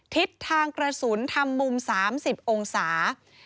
ทิศทางกระสุนทำมุม๓๐องศา